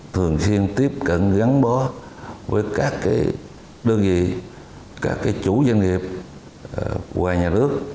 thường xuyên tiếp cận gắn bó với các đơn vị các chủ doanh nghiệp của nhà nước